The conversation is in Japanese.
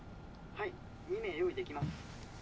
☎はい２名用意できます。